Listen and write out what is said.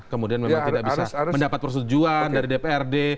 kemudian memang tidak bisa mendapat persetujuan dari dprd